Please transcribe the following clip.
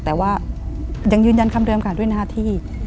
แต่ว่ายังยืนยันคำเดิมค่ะด้วยหน้าที่